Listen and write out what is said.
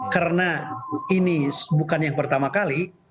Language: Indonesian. karena ini bukan yang pertama kali